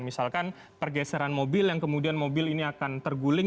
misalkan pergeseran mobil yang kemudian mobil ini akan terguling